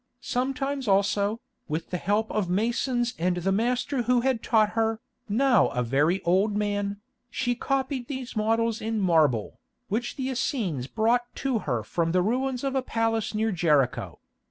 Sometimes also, with the help of masons and the master who had taught her, now a very old man, she copied these models in marble, which the Essenes brought to her from the ruins of a palace near Jericho.